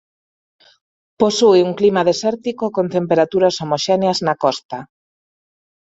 Posúe un clima desértico con temperaturas homoxéneas na costa.